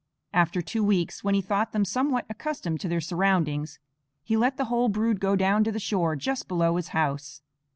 After two weeks, when he thought them somewhat accustomed to their surroundings, he let the whole brood go down to the shore just below his house.